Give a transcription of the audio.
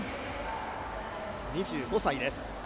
２５歳です。